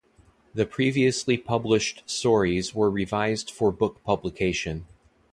The previously published stories were revised for book publication.